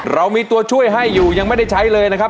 เรามีตัวช่วยให้อยู่ยังไม่ได้ใช้เลยนะครับ